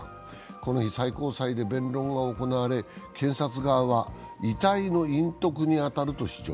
この日、最高裁で弁論が行われ、検察側は、遺体の隠匿に当たると主張。